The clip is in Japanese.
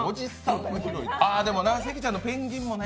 関ちゃんのペンギンもね。